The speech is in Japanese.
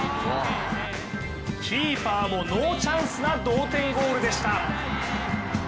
キーパーもノーチャンスな同点ゴールでした。